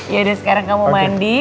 ya udah sekarang kamu mandi